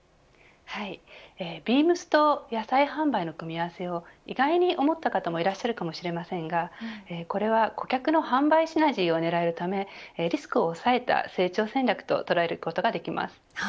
はい、ビームスと野菜販売の組み合わせを意外に思った方もいらっしゃるかもしれませんがこれは顧客の販売シナジーを狙えるためのリスクを抑えた成長戦略と捉えることができます。